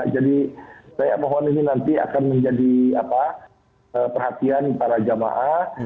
jadi saya mohon ini nanti akan menjadi perhatian para jemaah